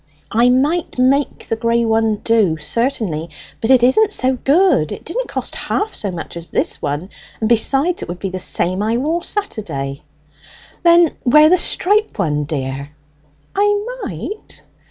"I might make the gray one do, certainly. But it isn't so good; it didn't cost half so much as this one, and besides, it would be the same I wore Saturday." "Then wear the striped one, dear." "I might."